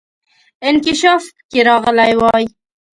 انکشاف پکې راغلی وای.